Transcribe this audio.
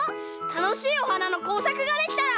たのしいおはなのこうさくができたら。